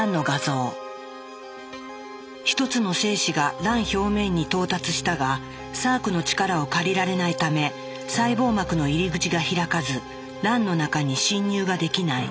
１つの精子が卵表面に到達したがサークの力を借りられないため細胞膜の入り口が開かず卵の中に侵入ができない。